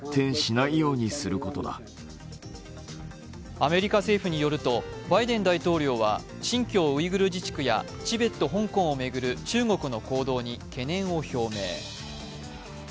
アメリカ政府によるとバイデン大統領は新疆ウイグル自治区やチベット、香港を巡る中国の行動に懸念を表明。